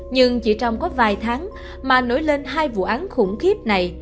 nhưng chỉ trong có vài tháng mà nổi lên hai vụ án khủng khiếp này